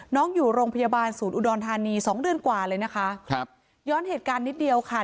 อยู่โรงพยาบาลศูนย์อุดรธานีสองเดือนกว่าเลยนะคะครับย้อนเหตุการณ์นิดเดียวค่ะ